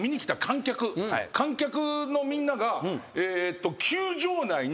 観客のみんなが。